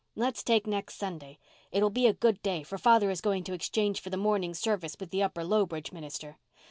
Let's take next Sunday. It will be a good day, for father is going to exchange for the morning service with the Upper Lowbridge minister.